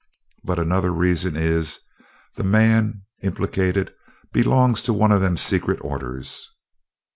But another reason is that the man implicated belongs to one of them secret orders."